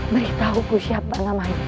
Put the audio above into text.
beritahu aku siapa namanya